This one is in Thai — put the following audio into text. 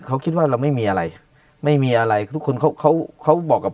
เขาคิดว่าเราไม่มีอะไรไม่มีอะไรทุกคนเขาเขาเขาบอกกับ